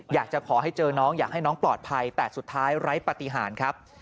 อยากจะขอให้เจอน้องอยากให้น้องปลอดภัยแต่สุดท้ายไร้ปฏิหารครับ